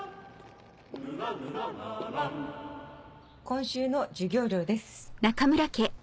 今週の授業料です。